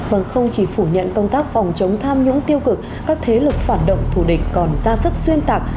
vâng không chỉ phủ nhận công tác phòng chống tham nhũng tiêu cực các thế lực phản động thù địch còn ra sức xuyên tạc